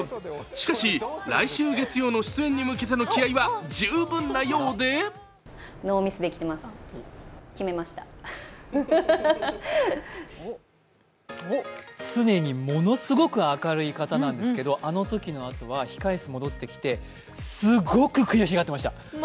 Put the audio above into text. しかし来週月曜の出演に向けての気合いは十分なようで常にものすごく明るい方なんですけど、あのときのあとは控え室戻ってきてすごく悔しがってました。